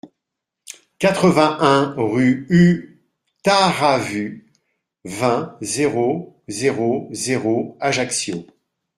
quatre-vingt-un rue U Taravu, vingt, zéro zéro zéro, Ajaccio